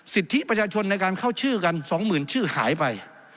สิทธิประชาชนในการเข้าชื่อกัน๒๐๐๐ชื่อหายไป